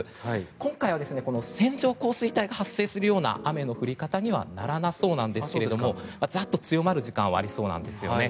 今回は線状降水帯が発生するような雨の降り方にはならなさそうなんですがざっと強まる時間帯はありそうなんですね。